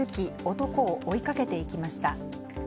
男を追いかけていきました。